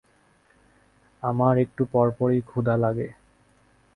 আমার একটু পরপরই ক্ষুধা লাগে।